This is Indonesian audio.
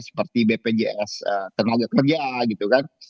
seperti bpjs tenaga kerja gitu kan